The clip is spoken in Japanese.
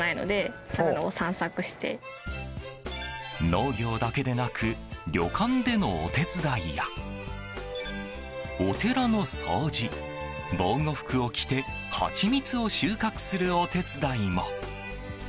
農業だけでなく旅館でのお手伝いやお寺の掃除、防護服を着てハチミツを収穫するお手伝いも。